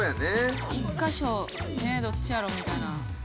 １カ所ねどっちやろ？みたいな。